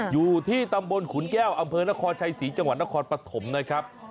อยู่ที่ตำบลขุนแก้วอำเภอนครชัยศรีจังหวัดนครปฐมนะครับ